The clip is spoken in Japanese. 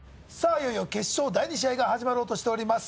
いよいよ決勝第二試合が始まろうとしております